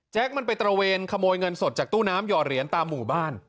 มันไปตระเวนขโมยเงินสดจากตู้น้ำหอดเหรียญตามหมู่บ้าน